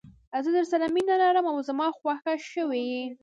زه درسره مینه لرم او زما خوښه شوي یې.